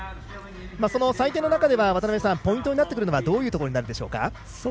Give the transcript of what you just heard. その採点の中でポイントになるのはどういうところになるでしょうか。